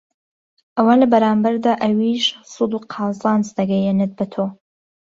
ئەوا لە بەرامبەردا ئەویش سوود و قازانج دەگەیەنێت بەتۆ